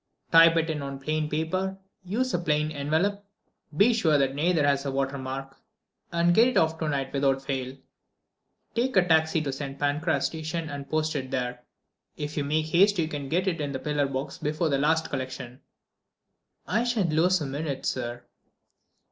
"Type it on plain paper, use a plain envelope, be sure that neither has a watermark, and get it off to night without fail. Take a taxi to St. Pancras station and post it there. If you make haste you can get it in a pillar box before the last collection." "I shan't lose a minute, sir."